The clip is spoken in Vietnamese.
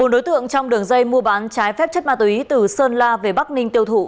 bốn đối tượng trong đường dây mua bán trái phép chất ma túy từ sơn la về bắc ninh tiêu thụ